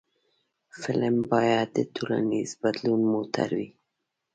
فلم باید د ټولنیز بدلون موټر وي